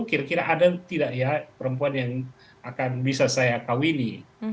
kira kira ada tidak ya perempuan yang akan bisa saya kawini